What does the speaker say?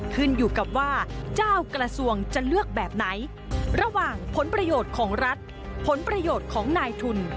ขึ้นอยู่กับว่าเจ้ากระทรวงจะเลือกแบบไหนระหว่างผลประโยชน์ของรัฐผลประโยชน์ของนายทุน